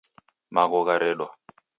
Magho gharedwa